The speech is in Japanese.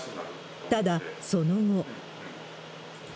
ただ、その後。